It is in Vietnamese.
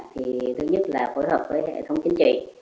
thì thứ nhất là phối hợp với hệ thống chính trị